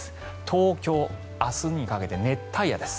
東京、明日にかけて熱帯夜です。